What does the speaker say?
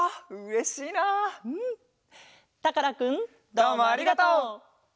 どうもありがとう。